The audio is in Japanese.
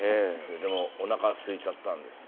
でもおなかすいちゃったんです。